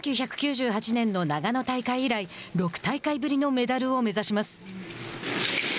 １９９８年の長野大会以来６大会ぶりのメダルを目指します。